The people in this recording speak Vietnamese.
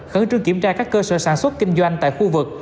khẩn trương kiểm tra các cơ sở sản xuất kinh doanh tại khu vực